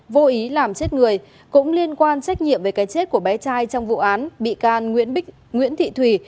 vô ý làm chết người cũng liên quan trách nhiệm về cái chết của bé trai trong vụ án bị can nguyễn thị thùy